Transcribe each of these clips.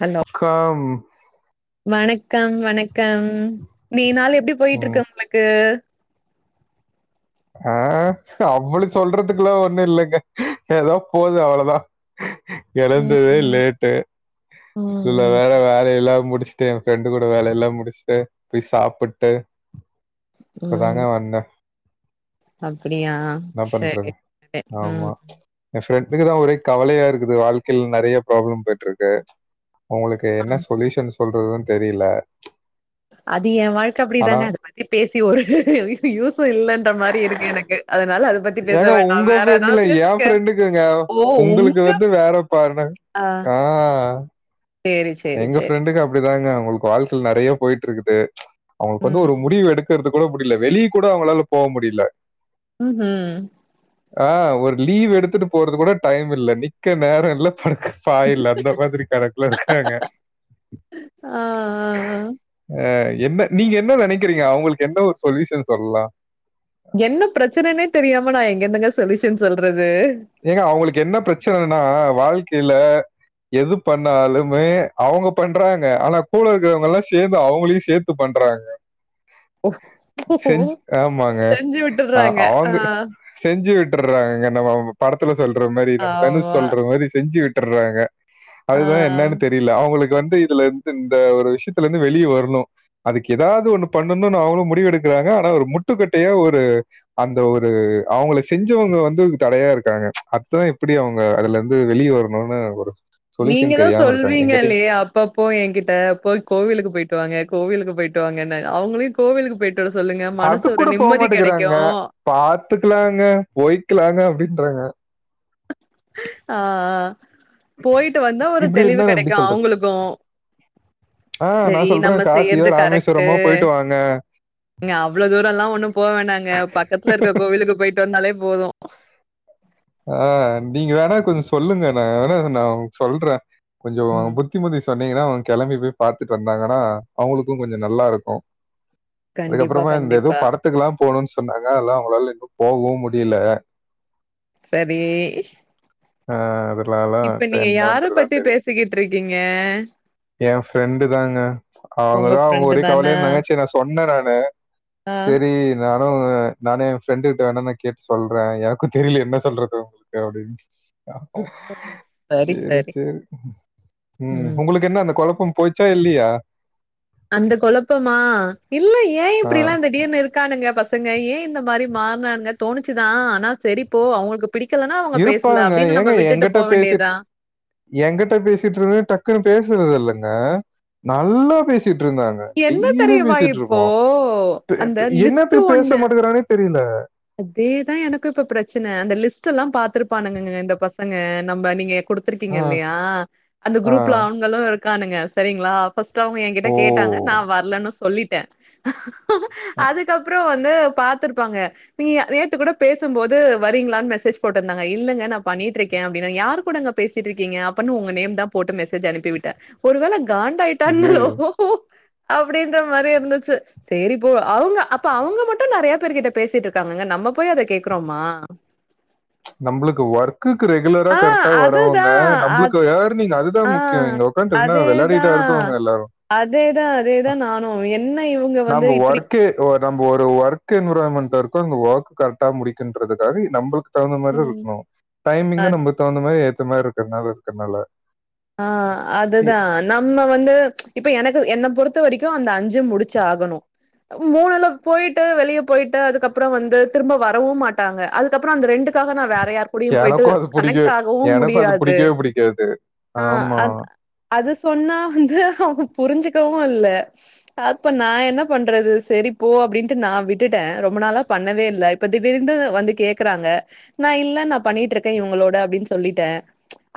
Hello கம் வணக்கம் வணக்கம் இன்னைக்கு நாளூ எப்படி போயிட்டு ம். இருக்கு உனக்கு ஆ அப்டி சொல்றதுக்குல்லா ஒண்ணு இல்லேங்க ஏதோ போது அவ்ளோ தா ம் எழந்ததே லேட்டு ம் இதுல ம் ம் வேற வேலையெல்லா முடிச்சுட்டு என் ஃப்ரெண்டு கூட வேலய எல்லா முடிச்சுட்டு போய் சாப்பிட்டு ம் இப்பதாங்க வந்தே அப்டியா என்ன சரி பண்றது சரி ம் ஆமா என் ஃப்ரெண்டுக்கு தா ஒரே கவலய இருக்கு வாழ்க்கையில நேறய ப்ராப்ள போயிட்டு இருக்கு அவங்களுக்கு ஆ. என்ன சொல்யூஷ சொல்றதுன்னு தெரியல அது என் வாழ்க்கை அப்டி ஆனா தாங்க அத பத்தி பேசி ஒரு யூசு இல்லேன்ற மாரி இருக்கு எனக்கு அதனால அது பத்தி பேச ஏங்க வேண்டா உங்க வேற ஃப்ரெண்டு் ஏதாவது இல்ல என் பேசுங்க ஃப்ரெண்டுக்குங்க ஓ உங்களுக்கு உங்க வந்து வேற பாருணு ஆ சேரி சேரி எங்க சேரி ஃப்ரெண்டுக்கு அப்டிதாங்க அவங்களுக்கு வாழ்கயல நேறய போயிட்டு இருக்குது அவங்களுக்கு வந்து ம் ஒரு முடிவு எடுக்க நிக்றது கூட முடியல வெளியே கூட அவங்களால போக முடியல ம் ம் ஆ ஒரு லீவ் எடுத்துட்டு போறது கூட டைம் இல்ல நிக்க நேர இல்ல பக்க பாயில்ல அந்த மாரி கணக்குல இருக்காங்க ஆ ஆ ஆ அ என்ன நீங்க என்ன நேனைக்கிறீங்க அவங்களுக்கு என்ன ஒரு சொல்யூஷ சொல்லலா என்ன பிரச்சனைனே தெரியாம நா எங்கெந்துங்க சொல்யூஷ சொல்றது ஏங்க அவங்களுக்கு என்ன பிரச்சனைன்னா வாழ்க்கையில எது பண்ணாலுமே அவங்க பண்றாங்க ஆனா கூல இருக்கிறவங்க எல்லா சேர்ந்து அவங்களையு சேர்த்து பண்றாங்க ஓ செஞ்ச ஆமாங்க செஞ்சு ஆ விட்டுர்றாங்க. ஆ அவங்க செஞ்சு விட்டுர்றாங்க நம்ம படத்துல சொல்ற மாரி நம்ம தனுஷ் ஆமா. சொல்ற மாரி செஞ்சு விட்டுர்றாங்க ஆ அதுதா என்னன்னு தெரியல அவங்களுக்கு வந்து இதுல இருந்து இந்த ஒரு விஷயத்துல இருந்து வெளியே வரணு அதுக்கு ஏதாவது ஒண்ணு பண்ணணும்னு அவங்களு முடிவு எடுக்கறாங்க ஆனா ஒரு முட்டுக்கட்டையா ஒரு அந்த ஒரு அவங்க செஞ்சவங்க வந்து ஒரு தடையா இருக்கு இருக்காங்க அத எப்டி அவங்க அதுல இருந்து வெளியே வரணும்னு ஒரு நீங்க சொல்யூஷன் தா தெரியாம இருக்காங்க. எங்கிட்டயும் சொல்லுவீங்கல்லையே அப்ப அப்ப போ என்கிட்ட போய் கோவிலுக்கு போயிட்டு வாங்க கோவிலுக்கு போயிட்டு வாாங்க அவங்களையு கோவிலுக்கு போயிட்டு வர சொல்லுங்க மனசு ஒரு அதுக்கூட போ நிம்மதி கிடைக்கு மாட்டேங்கிறாங்க. பாத்துக்கலாங்க போய்க்கலாங்க அப்டின்றாங்க ஆ ஆ போயிட்டு வந்தா ஒரு இப்படி தெளிவு இருந்தா நான் எப்படி கெடைக்கும் சொல்றது? அவங்களுக்கும் ஆ நான் சரி நம்ம சொல்றேன் காசியோ, செய்யறது கரெக்டு ராமேஸ்வரமோ போயிட்டு வாங்க. ங்க அவ்வளவு தூரோல்லா ஒண்ணும் போவேணாங்க பக்கத்துல இருக்க கோவிலுக்கு போயிட்டு வந்தாலே போதும் ஆ நீங்க வேணா கொஞ்சோ சொல்லுங்க நா வேணா நா சொல்றே கொஞ்சோ ம். புத்திமதி சொன்னீங்கன்னா அவங்க கெளம்பி போய் பாத்துட்டு வந்தாங்கன்னா அவங்களுக்கும் கொஞ்ச நல்லா இருக்கும் கண்டிப்பா, அதுக்கப்புறமா இந்த ஏதோ கண்டிப்பா. படத்துக்கு எல்லாம் போகணுன்னு சொன்னாங்க அதெல்லா அவங்களால இன்னும் போகவும் முடியல சரி ஆ அதுனால அது என்னன்றதுதா தெரிய சிக்கிட்டு இருக்கீங்க ஏ ஃபிரண்டு தாங்க அவங்க உங்க தா ஃப்ரெண்டு ஒரே தான? கவலயா இருந்தாங்க சரி நா சொன்னே நானு ஆ. செரி நானும் நானே ஏ ஃப்ரெண்டு கிட்ட வேணா நா கேட்டு சொல்றே எனக்கும் தெரியல என்ன சொல்றது அவங்களுக்கு அப்டின்னு ஓ சரி சேரி சரி சேரி ம் உங்களுக்கு க்கு என்ன அந்த கொழப்பம் போச்சா இல்லையா அந்த கொழப்பமா இல்ல ஏ ஆ. இப்டில்லா திடீர்னு இருக்கு இருக்கானுங்க பசங்க ஏ இந்த மாரி மாறனானுங்க தோணிச்சுதா ஆனா சரிப்போ அவங்களுக்கு பிடிக்கலன்னா அவங்க பேசல இருப்பாங்க. அப்டின்னு நம்ம விட்டுட்டு போக வேண்டியதா ஏங்கிட்ட பேசிட்டு இருந்த டக்குன்னு பேசுறது இல்லங்க நல்லா பேசிட்டு இருந்தாங்க என்ன டெய்லி தெரியுமா பேசிட்டு இப்போ இருப்போம் இப்ப அந்த ப்ப லிஸ்ட் என்னத்துக்கு பேச ஒண்ணு மாட்டுங்கிறானே தெரியல அதேதா எனக்கும் இப்ப பிரச்சன அந்த லிஸ்ட் எல்லாம் பாத்துருப்பானுங்கங்க இந்த பசங்க நம்ம நீங்க குடு ஆ, த்திருக்கீங்க இல்லையா அந்த ஆ, குரூப்ல அவங்களும் இருக்கானுங்க சரிங்களா அப்ப ஃபஸ்ட் ஏங்கிட்ட ஓ! கேட்டாங்க நா வரலன்னு சொல்லிட்டே அ அது க்கப்றோ வந்து பாத்துருப்பாங்க நீங்க நேத்து கூட பேசும்போது வரீங்களான்னு மெசேஜ் போட்டுருந்தாங்க இல்லங்க நா பண்ணிட்டு இருக்கே அப்டின்னே யாரு கூடங்க பேசிட்டு இருக்கீங்க அப்பனு உங்க நேம் தா போட்டு மெசேஜ் அனுப்பி விட்டே ஒரு வேல காண்டாயிட்டான்களோ ஐயய்யோ! அப்டின்ற மாரி இருந்துச்சு சரிப்போ அவங்க அப்ப அவங்க மட்டும் நறைய பேரு கிட்ட பேசிட்டு இருக்காங்கங்க நம்ம போய் அத கேக்குறோமா நம்பளுக்கு ஒர்க் க்கு ரெகுலரா ஆ கரெக்டா அதுதா வரவங்க அ நம்மளுக்கு ஏர்னிங் அதுதா ஆ முக்கியோ இங்க உக்கான்ட்டு என்ன அதேதா வெளையாடிட்டா இரு இருக்கவங்க எல்லாரும் அதேதா அதேதா நானும் என்ன இவங்க வந்து நம்ம இப்டி வொர்க்கே நம்ம ஒரு ஒர்க் என்வரான்மெண்ட்ல்ல இருக்கோ அந்த ஒர்க் கரெக்ட்டா முடிக்கன்றதுக்காக நம்மளுக்கு தகுந்த மாரி தா ம் இருக்கணும் அ டைமிங்கு நமக்கு தகுந்த மாரி ஏத்த மாரி இருக்கிறனால இருக்கிறனால ஆ அதுதா நம்ம வந்து இப்ப எனக்கு என்ன பொறுத்த வரைக்கும் அந்த அஞ்சு முடிச்சு ஆகணும் மூணுல போயிட்டு வெளியே போயிட்டு அதுக்கப்றோ வந்து திரும்ப வரவும் மாட்டாங்க அதுக்கப்றோ அந்த ரெண்டு அதுக்காக நா வேற யாரு கூடுயும் போயிட்டு எனக்கும் அது பிடிக்கவே கனெக்ட் ஆகவும் எனக்கும் அது முடியாது பிடிக்கவே பிடிக்காது ஆ ஆமா அ அது சொன்னா வந்து அவ புரிஞ்சுக்கவும் இல்ல அப்ப நா என்ன பண்றது சரிப்போ அப்டின்ட்டு நா விட்டுட்டே ரொம்ப நாளா பண்ணவே இல்ல பத்து பேருந்து வந்து கேக்குறாங்க நா இல்ல நா பண்ணிட்டு இருக்கே இவங்களோட அப்டின்னு சொல்லிட்டே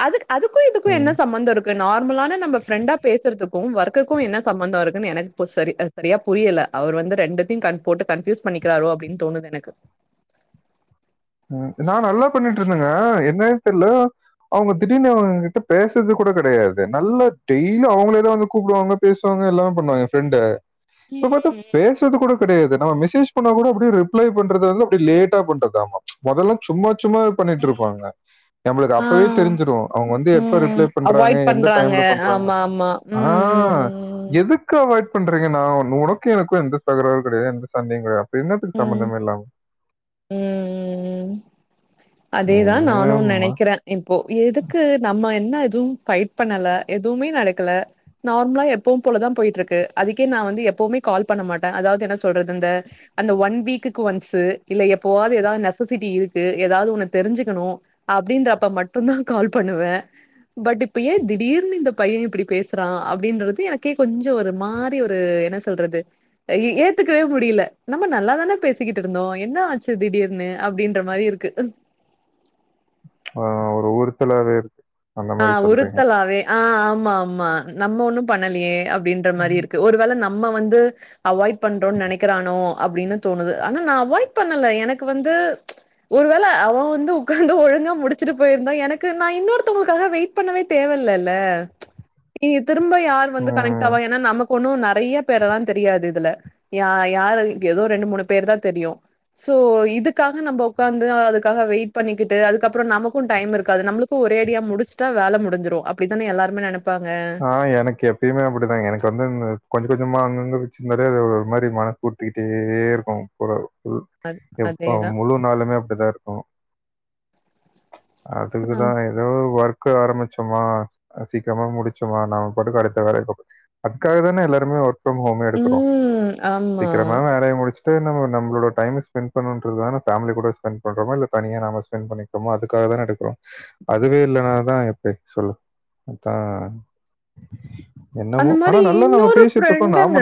அது அதுக்கும் இதுக்கும் என்ன ம், சம்மந்தோ இருக் நார்மலான நம்ம ஃப்ரெண்டா பேசுறதுக்கும் ஒர்க்குக்கும் என்ன சம்மந்தோ இருக்குன்னு எனக்கு போ சரி சரியா புரியல அவர் வந்து ரெண்டத்தையும் கண் போட்டு கன்ஃப்யூஸ் பண்ணிக்கிறாரோ அப்டின்னு தோணுது எனக்கு ம் நா நல்லா பண்ணிட்டு இருந்தேங்க என்னன்னே தெரில்ல அவங்க திடீனு அவங்க கிட்ட பேசுறது கூட கெடையாது நல்லா டெய்லி அவங்களேதா வந்து கூப்டுவாங்க பேசுவாங்க எல்லாமே பண்ணுவாங்க ப்ரெண்ட ம் ம் இப்ப பாத்தா பேச ட்டது கூட கெடையாது நம்ம மெசஜ் பண்ணா கூட அப்படி ரிப்ளை பண்ற வந்து லேட்டா பண்றதாமா மொதல்லா சும்மா சும்மா பண்ணிட்டு ம் ம் இருப்பாங்க நம்மளுக்கு ஆ அப்பவே தெரிஞ்சுரு அவங்க வந்து எப்ப ம் ரிப்ளை பண்றாங்க எந்த டைம்ல பண்றாங்க மா ம் ம் ம் ம் ம் க்கு அவாய்ட் பண்றீங்க நா ஒனக்கு எனக்கு எந்த தகறாரு கெடையாது எந்த சண்டையு கெடையாது அப்பற என்னதுக்கு சம்பந்தமே இல்லாம ம் ம் ம் அதேதா நானு எங்கம்மா நெனைக்கிறே இப்போ எதுக்கு நம்ம என்ன எதுவும் பஃட் பண்ணல எதுவுமே நடக்கல நார்மலா எப்பவும் போலதா போயிட்ருக்கு அதுக்கே நா வந்து எப்பவுமே கால் பண்ண மாட்டே அதாவது என்ன சொல்றது இந்த அந்த ஒன் வீக்குக்கு ஒன்ஸ்சு இல்ல எப்பாவது ஏதாவது நெசசிட்டி இருக்கு ஏதாவது ஒ ன்னு தெரிஞ்சுக்கணு அப்படின்றப்ப மட்டுந்தா கால் பண்ணுவே பட் இப்ப ஏ திடீர்னு இந்த பைய இப்டி பேசுறா அப்படின்றது எனக்கே கொஞ்ச ஒரு மாரி ஒரு என்ன சொல்றது எ ஏத்துக்கவே முடியல நம்ம நல்லா தானே பேசிக்கிட்டு இருந்தோ என்ன ஆச்சு திடீர் ன்னு அப்டின்ற மாரி இருக்கு ஆ ஒரு ஒருஊத்துலாவே இருக்கு அந்த ஆ மாரி சொல்றீங்க. உறுத்தலாவே ஆ ஆமா ஆமா நம்ம ஒண்ணு பண்ணலையே அப்படின்ற மாரி இருக்கு ஒருவேள நம்ம வந்து அவாய்ட் பண்றோன்னு நெனைக்கிறானோ அப்படின்னு தோணுது ஆனா நா அவாய்ட் பண்ணல எனக்கு வந்து ஒருவேள அவ வந்து உக்காந்து ஒழுங்கா முடிச்சுட்டு போயிருந்தா எனக்கு நா இன்னொருத் அடித்தவங்ளுக்காக வெயிட் பண்ணவே தேவையில்லல்ல திரும்ப யார் வந்து கனெக்ட் ம். ஆவாங்க ஏன்னா நமக் ஒண்ணு நெறைய பேர்ல்லா தெரியாது இதுல யா யாரு ஏதோ ரெண்டு மூணு பேர் தா தெரியு சோ இதுக்காக நம்ம உக்காந்து அதுக்காக வெயிட் பண்ணிக்கிட்டு அதுக்கப்பற நமக்கு டைம் இருக்காது நம்மளுக்கு ஒரு ரேடியா முடிச்சுட்டா வேல முடிஞ்சுரு அப்டித்தானே எல்லாரு நெனப்பாங்க ஆ எனக்கு எப்பயுமே அப்படிதா எனக்கு வந்து கொஞ்ச கொஞ்சமா அங்கங்க வச்சுருந்தாலது ஒரு மாரி மன உரித்திக்ட்டே இருக்கு ஒரு ம் அது எப்ப அதேதான். முழு நாளுமே அப்படிதா இருக்கு அ அதுக்குதா ஏதோ ஒர்க்க ஆரம்பிச்சோமா சீக்கிரமா முடிச் சமா நாம அடுத்த வேர இப்ப அதுக்காக எல்லாருமே ஒர்க் பிரம் ஹோமே எடுக்கிறோ ம். ஆமா. சீக்கிரமா வேலைய முடிச்சி பஸ்ட்டே நம்ம நமளோட டைம்ம ஸ்பென்ட் பண்ணுறது தான ஃபேமிலி கூட ஸ்பெண்ட் பண்றோ இல்ல தனியா நாம ஸ்பென்ட் பண்ணி அப்பறமா அதுக்காக தான எடுக்கிறோ அதுவே இல்லனால தா எப்ப சொல்லு அதா அந்த மாரி இன்னொரு ஃப்ரெண்டுங்க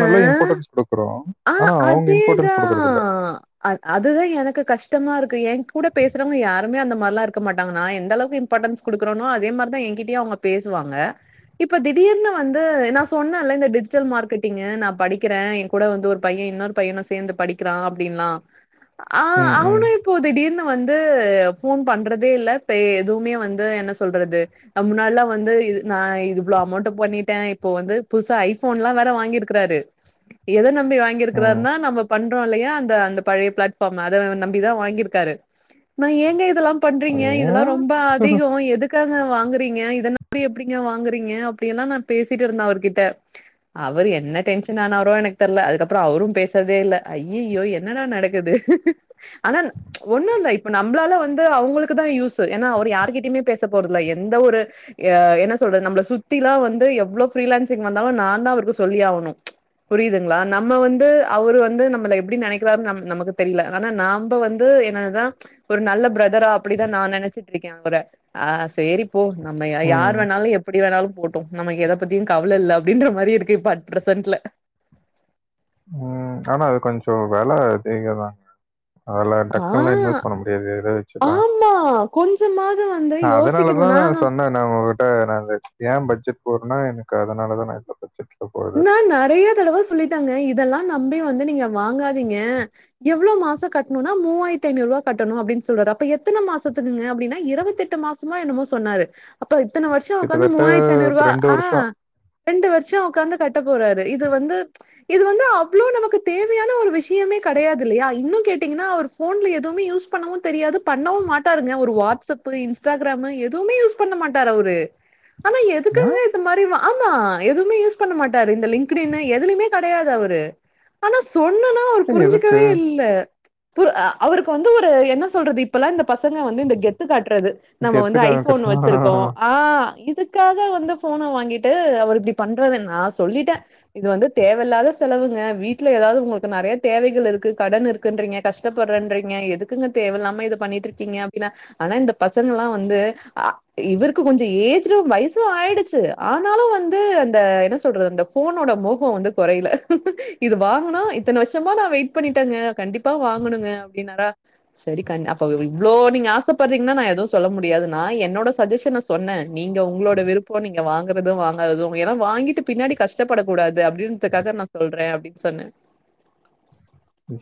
டுக்குறோ ஆ அதேதா அ அதுதா எனக்கு கஷ்டமா இருக்கு எங் கூட பேசுறவங்க யாருமே அந்த மாரிலா இருக்க மாட்டாங்க நா எந்த அளவுக்கு இம்பார்ட்டண்ட் ஸ் குடுக்குறனோ அதே மாரிதா எங்கிட்டயு அவங்க பேசுவாங்க இப்ப திடீர்னு வந்து நா சொன்னேன்ல்ல இந்த டிஜிட்டல் மார்க்கெட்டிங்கு நா படிக்கிறே எ கூட வந் து ஒரு பைய இன்னொரு பையனு சேந்து படிக்கிறா அப்படின்லா ஆ ம் ம் அவனும் இப்போ திடீர்னு வந்து போன் பண்றதே இல்ல இப்ப எதுவுமே வந்து என்ன சொல்றது ந முன்னாலல்லா வந்து இ நா இவ்வளோ அமௌண்ட் பண்ணிட்டே இப்ப வந்து புதுசா ஐபோன்ல்லா வேற வாங்கியிருக்கறாரு எத நம்பி ம். வாங்கியிருக்கிறாருன்னா நம்ம பண்றோ இல்லையா அந்த அந்த பழைய பிளாட்பார்ம் அத நம்பிதா வாங்கியிருக்காரு நா ஏங்க இதெல்லா பண்றீங்க இதெல்லா ஏன்? ரொம்ப அதிகோ எதுக் க்காங்க வாங்குறீங்க இத நம்பி எப்டிங்க வாங்குறீங்க அப்படி எல்லா நா பேசிட்டு இருந்த அவர்கிட்ட அவர் என்ன டென்ஷன் ஆனரோ எனக் தெர்ல அதுக்கப்பறோம் அவரு பேசர்தே இல்ல ஐயையோ என்னடா நடக்குது ஆனா ஒண்ணுல்ல இப்ப நம்மளால வந்து அவங்களுக்கு தான் யூஸ் ஏன்னா அவரு யாருகிட்டயுமே பேச போறதல எந்த ஒரு ஆ என்ன சொல்றது நம்மள சுத்தில்லா வந்து எவ்ளோ ஃரீலான்சிங் வந்தாலு நா தா அவருக்கு சொல்லி ஆகணு புரியுது கள நம்ம வந்து அவரு வந்து நம்மள எப்படி நெனைக்கிறாரு நம் நமக்கு தெரியல ஆனா நாம வந்து என்னன்னதா ஒரு நல்ல பிரதரா அப்டிதா நா நெனச்சிட்டு இருக்க அவர ஆ செரி போ நம்ம யா யார் ம், வேணாலு எப்டி வேணாலு போட் டு நமக்கு எத பத்திய கவல இல்ல அப்டின்ற மாரி இருக்கு இப்ப அ பிரசன்ட்ல ம் ஆனா அது கொஞ்சோ வெலா அதிகதா அதல ஆ டக்குன்னலா இன்வெஸ்ட் பண்ண முடியாது இத வச்சுலா ஆமா கொஞ்சமாது வந்து யோசிக்கணுனா நம் நா உங்ககிட்டான் ஏன் பட்ஜெட் போறனா எனக்கு அதனால தா நா பட்ஜெட் நா நெறைய தடவ சொல்லிட்டாங்க இதெல்லா நம்பி வந்து நீங்க வாங்காதீங்க எவ்ளோ மாசோ காட்டுன்னா மூவாயிரி ஐநூறுபா கட்டணு அப்டின் சொல்றாரு அப்ப எத்தன மாசத்துக்குாங்க அப்டின்னா இருபத்தெட்டு மா சமோ என்னமோ சொன்னாரு அப்ப இத்தன வருஷோ உக்காந்து கிட்டத்தட்ட மூவாயிரத் ஐநூறுரூபா ரெண்டு ஆ வருஷம் ரெண்டு வருஷம் உக்காந்து கட்ட போறாரு இது வந்து இது வந்து அவ்ளோ நமக்கு தேவையான ஒரு விஷயமே கிடையாது இல்லையா இன்னு கேட்டீங்கன்னா அவர் ஃபோன்ல எதுவுமே யூஸ் பண்ணவு தெரியாது பண்ணவு மாட்டாருங்க ஒரு வாட்ஸ்அப் இன்ஸ்டாகிராமு எதுவுமே யூஸ் பண்ண மாட்டார் அவரு ஆனா எத் ஆ இந்த மாரி ஆமா எதுவுமே யூஸ் பண்ண மாட்டாரு இந்த லிங்டினு எதுலயுமே கெடையாது அவரு ஆனா சொன்னனா அவ்ரு எதுக்கு புரிஞ்சுக்கவே இல்ல பு அ அவருக்கு வந்து ஒரு என்ன சொல்றது இப்பல்லா இந்த பசங்க வந்து இந்த கெத்து காட்றது நம்ம கெத்து வந்து ஐபோன் காமிக்கிறா வச்சிருக்கோ ஆ இதுக்காக வந்து ஃபோன வாங்கிட்டு அவர் இப்டி பண் றதுன்ன சொல்லிட்டா இது வந்து தேவல்லாத செலவுங்க வீட்ல ஏதாது உங்களுக்கு நெறைய தேவைகள் இருக்கு கடன் இருக் கன்றீங்குன்ரிங்கா கஷ் த்தப்பட்றேன்றீங்க எதுக்குங்க தேவயில்லாம இத பண்ணிட்டுருக்கீங்க அப்டினா ஆனா இந்த பசங்கல்லா வந்து ஆ இவருக்கு கொஞ்ச ஏஜ்டு வயசு ஆயிடுச்சு ஆனாலு வந்து அந்த என்ன சொல்றது அந்த ஃபோனோட மோக வந்து குறையல இது வாங்குனு இத்தன வருஷமா நா வெய்ட் பண்ணிட்டாங்க கண்டிப்பா வாங்கணுங்க அப்டின்னாரா செரி க அப்ப இவ்ளோ நீங்க ஆசைப்பட்றீங்கன்னா நா எதுவு சொல்ல முடியாதுன்னா என்னோட சஜஷன சொ சொன்னே நீங்க உங்களோட விருப்போ நீங்க வாங்கறது வாங்காதது ஏன்னா வாங்கிட்டு பின்னாடி கஷ்டப்படக் கூடாது அப்டின்துக்காக நா சொல்றே அப்டின்னு சொன்னே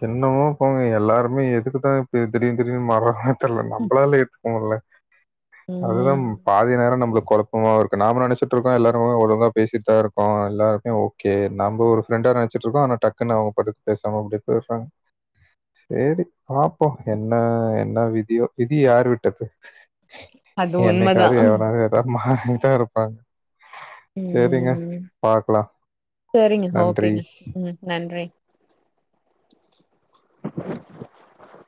என்னமோ போங்க எல்லாருமே எதுக்குதா இபி திடீர் திடீர்னு மாறாங்க தெர்ல நம்மளால ஏத்துக்கோமுல்ல அதுதா ம் பாதி நே ரோ நம்மளுக்கு குழப்பமா இருக்கு நாம நினைச்சிட்டு இருக்கோ எல்லாருமே ஒழுங்கா பேசிட்டு தா இருக்கோ எல்லாருமே ஓ கே நம்பொ ஒரு ஃப்ரன்ட நெனச்சிட்டு இருக்கோ ஆனா டக்குன்னு அவங்க பாட்டுக் பேசாம போயிட்றாங் செரி பாப்போ என்ன என்ன விதியோ விதி யார் விட்டது அது உண்மதா என்னைக்காவது எவனாவது எதா மாறிதா இருப்பாங்க செரிங்க ம் பாக்கலா சரிங்க நன்றி ஓகேங்க ம் நன்றி